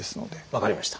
分かりました。